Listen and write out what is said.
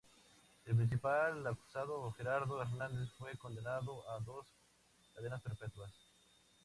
El principal acusado, Gerardo Hernández, fue condenado a dos cadenas perpetuas.